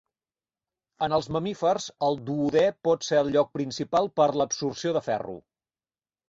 En els mamífers el duodè pot ser el lloc principal per a l'absorció de ferro.